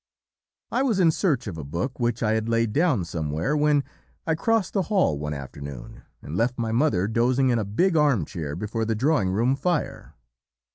"I was in search of a book which I had laid down somewhere, when I crossed the hall one afternoon, and left my mother dozing in a big armchair before the drawing room fire.